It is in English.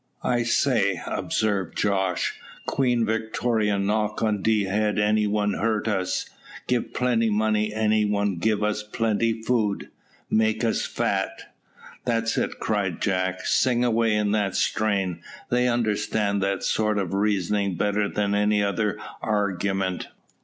"I say," observed Jos, "Queen Victoria knock on de head any one hurt us give plenty money any one give us plenty food make us fat." "That's it," cried Jack, "sing away in that strain; they understand that sort of reasoning better than any other argument."